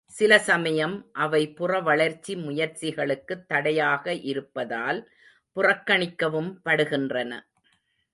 சில சமயம் அவை புறவளர்ச்சி முயற்சிகளுக்குத் தடையாக இருப்பதால் புறக்கணிக்கவும் படுகின்றன.